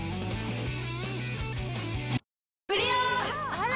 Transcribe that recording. あら！